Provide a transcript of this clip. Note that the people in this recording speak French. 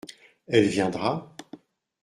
Elle viendra ?